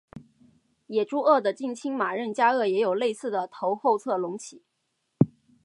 野猪鳄的近亲马任加鳄也有类似的头后侧隆起。